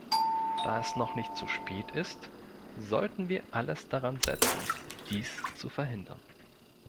Da es noch nicht zu spät ist, sollten wir alles daransetzen, dies zu verhindern.